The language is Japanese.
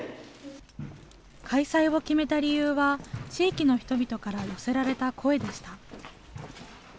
開催を決めた理由は、地域の人々から寄せられた声でした。